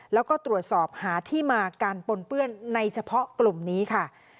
แล้วก็ตรวจสอบหาที่มาการปนเปื้อนในเฉพาะกลุ่มนี้ค่ะ